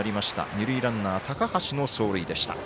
二塁ランナー、高橋の走塁でした。